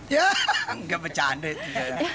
ya enggak bercanda itu